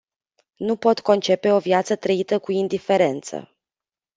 Nu pot concepe o viață trăită cu indiferență.